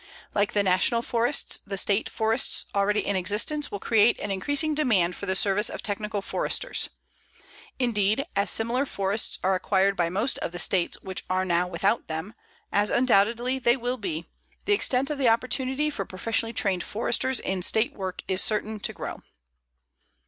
Like the National Forests, the State Forests already in existence will create an increasing demand for the service of technical Foresters. Indeed, as similar forests are acquired by most of the States which are now without them, as undoubtedly they will be, the extent of the opportunity for professionally trained Foresters in State work is certain to grow.